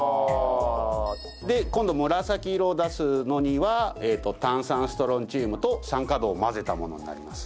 で今度紫色を出すのには炭酸ストロンチウムと酸化銅を混ぜたものになります。